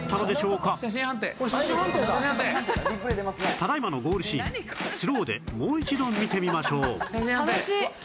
ただ今のゴールシーンスローでもう一度見てみましょう